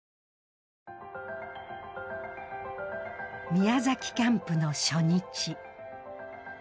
宮崎キャンプの初日。